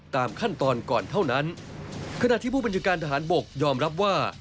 ตามขั้นตอนก่อนเท่านั้นขณะที่ผู้บัญชาการทหารบกยอมรับว่า